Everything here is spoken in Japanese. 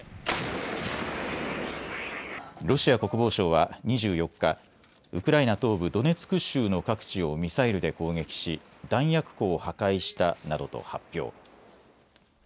ロシア国防省は２４日、ウクライナ東部ドネツク州の各地をミサイルで攻撃し弾薬庫を破壊したなどと発表。